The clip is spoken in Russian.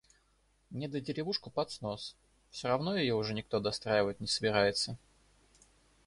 Недодеревушку под снос. Все равно ее уже никто достраивать не собирается.